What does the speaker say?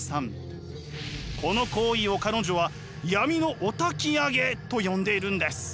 この行為を彼女は闇のおたきあげと呼んでいるんです。